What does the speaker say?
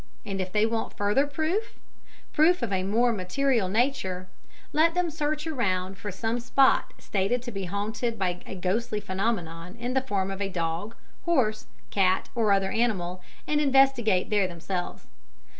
And if they want further proof, proof of a more material nature, let them search around for some spot stated to be haunted by a ghostly phenomenon in the form of a dog, horse, cat, or other animal, and investigate there themselves.